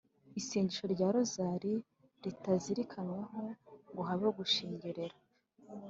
isengesho rya rozari ritazirikanyweho ngo habeho gushengerera